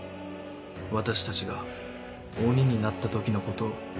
私たちが鬼になった時のことを。